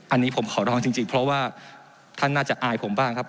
อันนี้ผมขอร้องจริงเพราะว่าท่านน่าจะอายผมบ้างครับ